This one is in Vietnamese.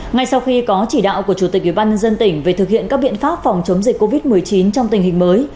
ngay sau khi có chỉ đạo của chủ tịch ủy ban nhân dân tỉnh về thực hiện các biện pháp phòng chống dịch covid một mươi chín trong tình hình mới